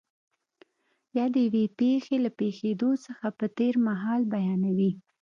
یا د یوې پېښې له پېښېدو څخه په تېر مهال بیانوي.